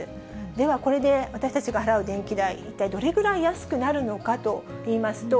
ではこれで、私たちが払う電気代、一体どれぐらい安くなるのかといいますと。